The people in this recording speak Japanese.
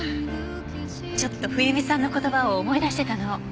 ちょっと冬水さんの言葉を思い出してたの。